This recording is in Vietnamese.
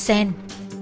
nguyễn văn sen